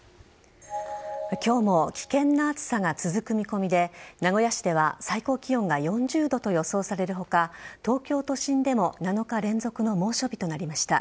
今日も危険な暑さが続く見込みで名古屋市では最高気温が４０度と予想される他東京都心でも７日連続の猛暑日となりました。